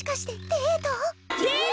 デート！？